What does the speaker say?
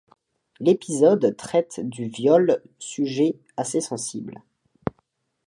L'épisode traite du viole sujet assez sensible.